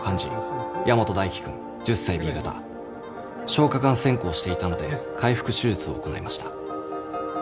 消化管穿孔していたので開腹手術を行いました。